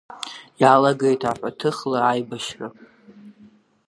Иалагеит аҳәаҭыхла аибашьра.